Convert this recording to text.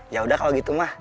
ya udah kalau gitu mah